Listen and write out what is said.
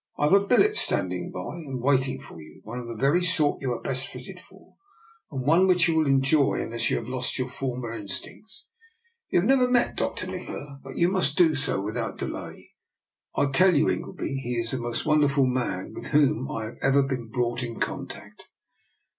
Fve a billet standing ready and waiting for you; one of the very sort you are best fitted for, and one which you will enjoy, unless you have lost your former instincts. You have never met Dr. Nikola, but you must do so without delay. I tell you, Ingleby, he is the most wonderful man with whom I have ever been brought in contact.